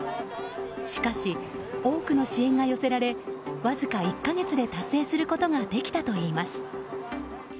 しかし、多くの支援が寄せられわずか１か月で達成することができたといいます。